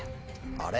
あれ？